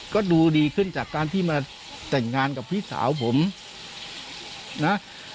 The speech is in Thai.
ก็ดูดีขึ้นจากการที่มาแต่งงานกับพี่สาวผมนะ